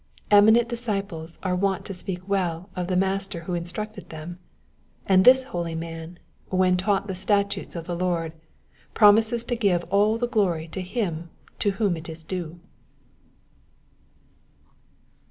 Eminent disciples are wont to speak well of the master who in structed them, and this holy man, whtn taught the statutes of the Lord, promises to give all the ^lory to him to whom it is due.